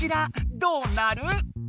どうなる？